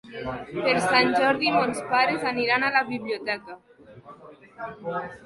Per Sant Jordi mons pares aniran a la biblioteca.